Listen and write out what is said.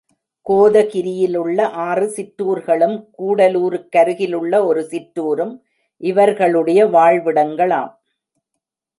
கோதகிரியிலுள்ள ஆறு சிற்றூர்களும், கூடலூருக்கருகிலுள்ள ஒரு சிற்றூரும், இவர்களுடைய வாழ்விடங்களாம்.